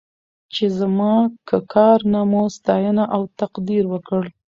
چې زما که کار نه مو ستاینه او تقدير وکړ.